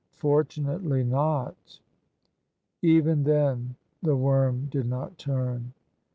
" Fortunately not" Even then the worm did not turn.